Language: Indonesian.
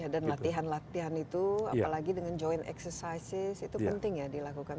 latihan latihan itu apalagi dengan joint exercise itu penting ya dilakukan